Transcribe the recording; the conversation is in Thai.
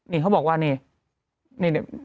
นี่เขาบอกว่านี่